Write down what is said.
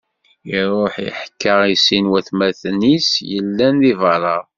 Iṛuḥ iḥka i sin n watmaten-is yellan di beṛṛa.